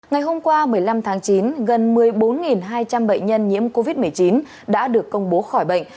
ngày hôm qua một mươi năm tháng chín gần một mươi bốn hai trăm linh bệnh nhân nhiễm covid một mươi chín đã được công bố khỏi bệnh